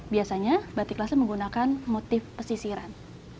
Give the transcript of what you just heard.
biasanya batik lase menggunakan motif pesisiran